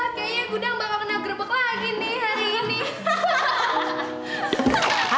wah kayaknya gudang bakal kena grebek lagi nih hari ini hahaha